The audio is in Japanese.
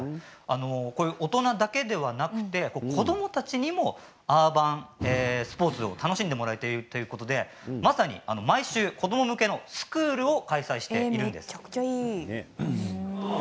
大人だけではなくて子どもたちにもアーバンスポーツを楽しんでもらえるということでまさに毎週子ども向けのスクールを開催しているんです。